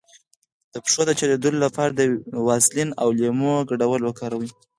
د پښو د چاودیدو لپاره د ویزلین او لیمو ګډول وکاروئ